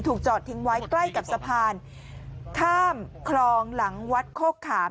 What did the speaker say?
จอดทิ้งไว้ใกล้กับสะพานข้ามคลองหลังวัดโคกขาม